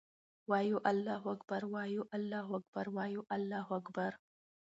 وایو الله اکــبر، وایو الله اکـــبر، وایـــــو الله اکــــــــبر